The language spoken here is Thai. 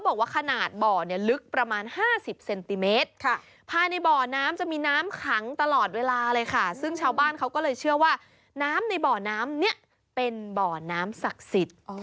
บ้านเขาก็เลยเชื่อว่าน้ำในบ่อน้ำนี่เป็นบ่อน้ำศักดิ์สิทธิ์